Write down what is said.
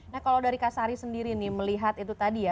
nah kalau dari kak sari sendiri nih melihat itu tadi ya